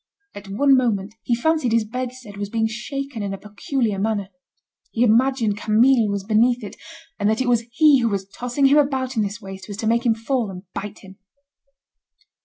At one moment, he fancied his bedstead was being shaken in a peculiar manner. He imagined Camille was beneath it, and that it was he who was tossing him about in this way so as to make him fall and bite him.